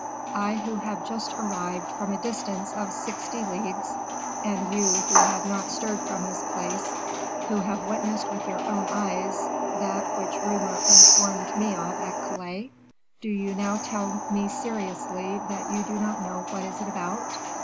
I who have just arrived from a distance of sixty leagues, and you who have not stirred from this place, who have witnessed with your own eyes that which rumor informed me of at Calais! Do you now tell me seriously that you do not know what it is about?